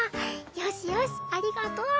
よしよしありがとう。